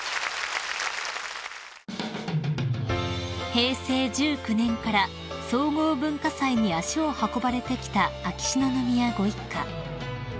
［平成１９年から総合文化祭に足を運ばれてきた秋篠宮ご一家］